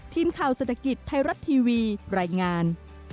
ทีมข่าวเศรษฐกิจไทยรัฐทีวีรายงาน